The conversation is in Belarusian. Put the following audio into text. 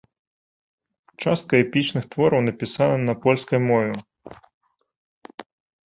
Частка эпічных твораў напісана на польскай мове.